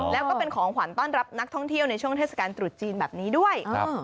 แล้วก็เป็นของขวัญต้อนรับนักท่องเที่ยวในช่วงเทศกาลตรุษจีนแบบนี้ด้วย